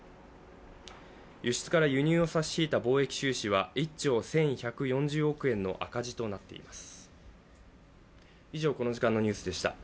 輸出から輸入を差し引いた貿易収支は１兆１１４０億円の赤字となっています